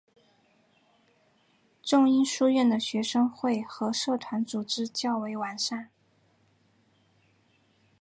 仲英书院的学生会和社团组织较为完善。